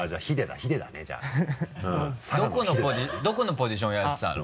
どこのポジションやってたの？